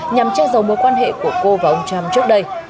nhằm chết dầu mối quan hệ của cô và ông trump trước đây